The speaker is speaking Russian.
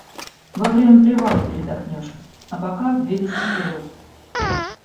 Во время привала передохнёшь, а пока двигайся вперёд!